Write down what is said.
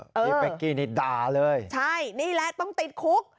นี่เป๊กกี้นี่ด่าเลยใช่นี่แหละต้องติดคุก